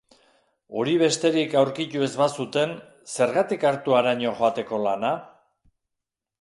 Hori besterik aurkitu ez bazuten, zergatik hartu haraino joateko lana?